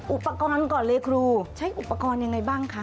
อุปกรณ์ก่อนเลยครูใช้อุปกรณ์ยังไงบ้างคะ